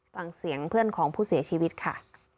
ฟังเสียงเพื่อนของผู้เสียชีวิตค่ะ